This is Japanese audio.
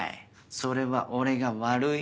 それは俺が悪い？